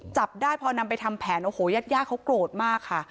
จับได้พอนำไปทำแผนโอ้โหญาติญาติเขาโกรธมากค่ะ